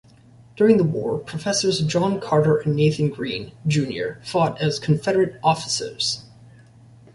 During the war, professors John Carter and Nathan Green, Junior fought as Confederate officers.